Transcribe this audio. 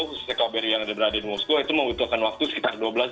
khususnya kbri yang ada berada di moskow itu membutuhkan waktu sekitar dua belas jam